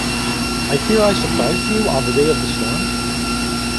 I fear I surprised you, on the day of the storm?